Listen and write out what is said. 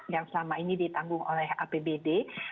yang selama ini ditanggung oleh apbd